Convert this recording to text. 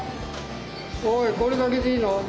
おいこれだけでいいの？